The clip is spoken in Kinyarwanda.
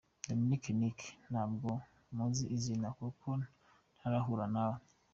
Dominic Nic: Ntabwo muzi izina, kuko ntarahura nawe.